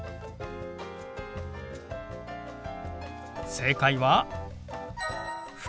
正解は。